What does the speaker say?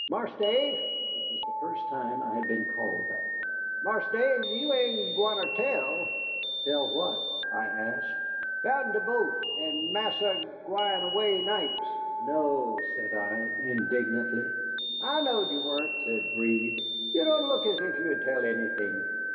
"Marse Dave," it was the first time I had been called that, "Marse Dave, you ain't gwineter tell?" "Tell what?" I asked. "Bout'n de boat, and Marsa agwine away nights." "No," said I, indignantly. "I knowed you wahn't," said Breed. "You don' look as if you'd tell anything."